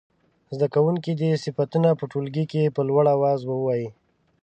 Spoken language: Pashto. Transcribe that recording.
زده کوونکي دې صفتونه په ټولګي کې په لوړ اواز ووايي.